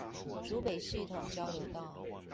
竹北系統交流道